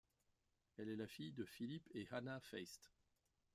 Elle est la fille de Phillipe et Hannah Feist.